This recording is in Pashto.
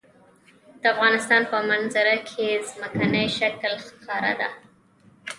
د افغانستان په منظره کې ځمکنی شکل ښکاره ده.